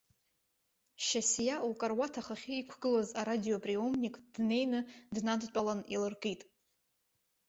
Шьасиа лкаруаҭ ахахьы иқәгылаз арадиоприомник днеины днадтәалан иалыркит.